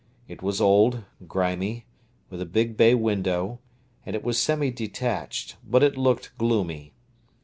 It was old, grimy, with a big bay window, and it was semi detached; but it looked gloomy.